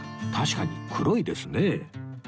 確かに黒いですね